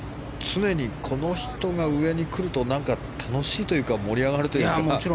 常に、この人が上に来ると楽しいというか盛り上がるというか。